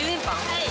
はい。